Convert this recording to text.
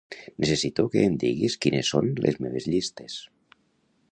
Necessito que em diguis quines són les meves llistes.